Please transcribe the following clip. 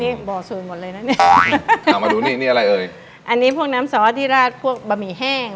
นี่บ่อสูตรหมดเลยนะเนี่ยเอามาดูนี่นี่อะไรเอ่ยอันนี้พวกน้ำซอสที่ราดพวกบะหมี่แห้ง